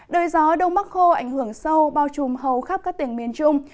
đời gió đông bắc khô ảnh hưởng sâu bao trùm hầu khắp các tỉnh miền trung